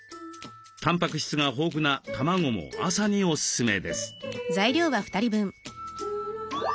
たんぱく質が豊富な卵も朝にオススメです。